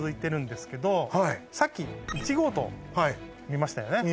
さっき１号棟見ましたよね。